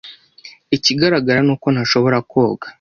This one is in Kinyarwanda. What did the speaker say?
Ikigaragara ni uko ntashobora koga.